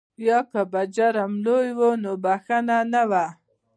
یا که به جرم لوی و نو بخښنه نه وه.